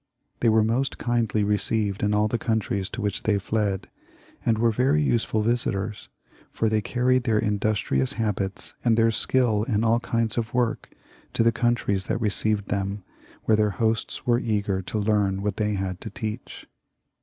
They were most kindly received in all the countries to which they fled, and were very useful visitors, for they carried their industrious habits and their skill in all kinds of work to the countries that received them, where their hosts were eager to learn what they had to teach.